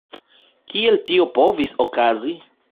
Kiel tio povis okazi?